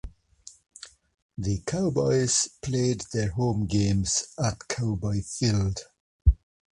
The Cowboys played their home games at Cowboy Field.